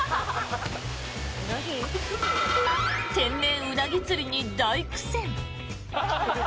天然ウナギ釣りに大苦戦。